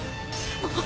あっ！